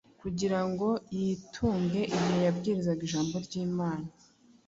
kugira ngo yitunge igihe yabwirizaga ijambo ry’Imana.